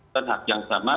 dan hak yang sama